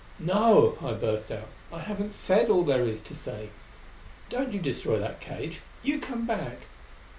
"No!" I burst out. "I haven't said all there is to say. Don't you destroy that cage! You come back!